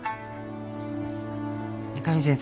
三上先生。